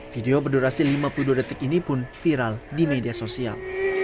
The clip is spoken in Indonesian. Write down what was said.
video berdurasi lima puluh dua detik ini pun viral di media sosial